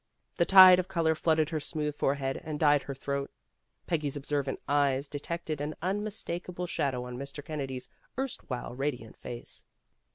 The tide of color flooded her smooth forehead and dyed her throat. Peggy's observant eyes detected an unmistakable shadow on Mr. Kennedy 's erst while radiant face.